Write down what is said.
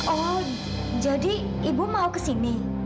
oh jadi ibu mau ke sini